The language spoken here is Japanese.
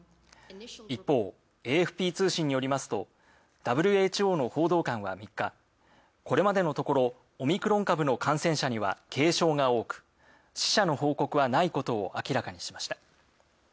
一方、ＡＦＰ通信によりますとＷＨＯの報道官は３日これまでのところオミクロン株の感染者には軽症が多く死者の報告はないことを明らかにしました。